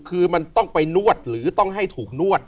คือมันต้องไปนวดหรือต้องให้ถูกนวด